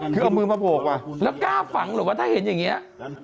คือเอามือมาโบกว่ะแล้วกล้าฝังหรือว่าถ้าเห็นอย่างนี้